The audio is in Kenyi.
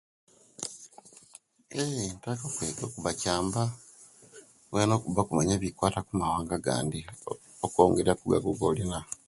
Eeehe inttaka okwega okuba kyamba wena kubanga omanya ebikwata okumawanga agandi okwongeriaku gago golina